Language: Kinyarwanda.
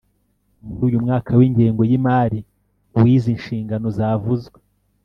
Muri uyu mwaka w ingengo y imari w izi nshingano zavuzwe